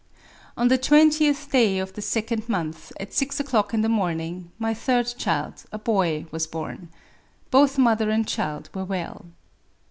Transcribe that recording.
♦♦♦♦♦ 4c On the twentieth day of the second month, at six o'clock in the morning, my third child — a boy — was born. Both mother and child were well.